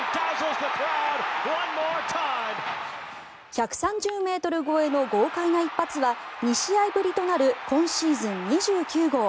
１３０ｍ超えの豪快な一発は２試合ぶりとなる今シーズン２９号。